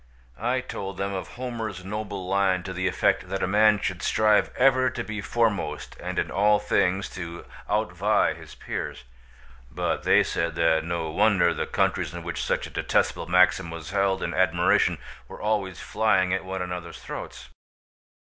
I told them of Homer's noble line to the effect that a man should strive ever to be foremost and in all things to outvie his peers; but they said that no wonder the countries in which such a detestable maxim was held in admiration were always flying at one another's throats.